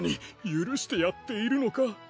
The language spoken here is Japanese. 許してやっているのか？